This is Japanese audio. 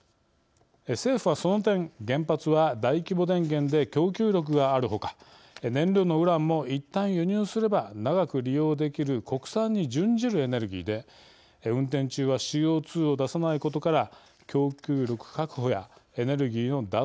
政府はその点、原発は大規模電源で供給力があるほか燃料のウランもいったん輸入すれば長く利用できる国産に準じるエネルギーで運転中はＣＯ２を出さないことから、供給力確保やエネルギーの脱